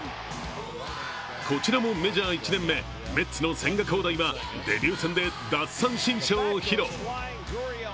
こちらもメジャー１年目メッツの千賀滉大はデビュー戦で奪三振ショーを披露。